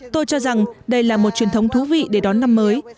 tôi cho rằng đây là một truyền thống thú vị để đón năm mới